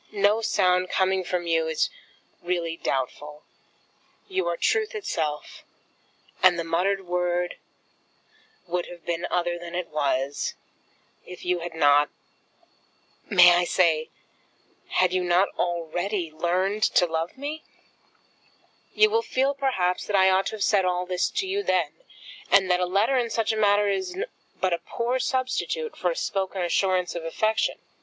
No sound coming from you is really doubtful. You are truth itself, and the muttered word would have been other than it was, if you had not ! may I say, had you not already learned to love me? You will feel, perhaps, that I ought to have said all this to you then, and that a letter in such a matter is but a poor substitute for a spoken assurance of affection.